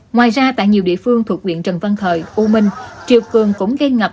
ngoài ra tại nhiều địa phương thuộc quyện trần văn thời u minh triều cường cũng gây ngập